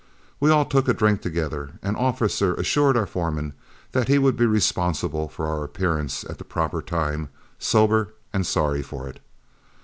We all took a drink together, and Officer assured our foreman that he would be responsible for our appearance at the proper time, "sober and sorry for it."